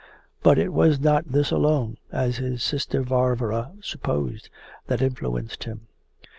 But it was not this alone, as his sister Varvara supposed, that influenced him.